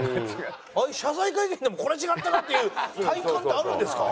ああいう謝罪会見でもこれ違ったなっていう体感ってあるんですか？